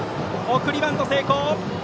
送りバント成功。